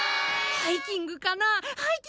ハイキングかな？